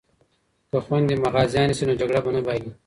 که خویندې غازیانې شي نو جګړه به نه بایلي.